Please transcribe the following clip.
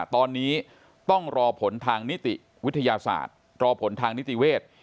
ตอนนี้ต้องรอผลทางนิติวิทยาศาสตร์รอผลทางนิติเวทย์